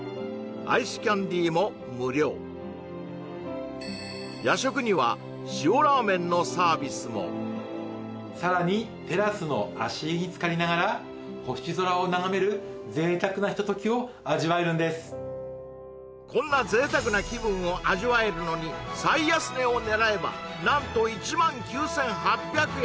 アイスキャンディーも無料夜食には塩ラーメンのサービスもさらにテラスの足湯につかりながら星空を眺める贅沢なひとときを味わえるんですこんな贅沢な気分を味わえるのに最安値を狙えば何と１９８００円